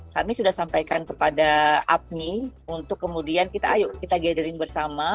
kami sudah sampaikan kepada apmi untuk kemudian kita ayo kita gathering bersama